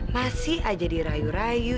masih aja dirayu rayu